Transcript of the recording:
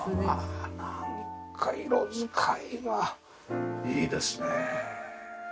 なんか色使いがいいですねえ。